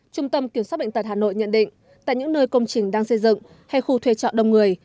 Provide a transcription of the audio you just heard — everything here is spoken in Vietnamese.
trung tâm kiểm soát bệnh tật hà nội nhận định tại những nơi công trình đang xây dựng hay khu thuê trọ đông người